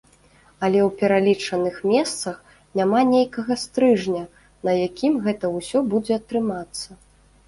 Але ў пералічаных месцах няма нейкага стрыжня, на якім гэта ўсё будзе трымацца.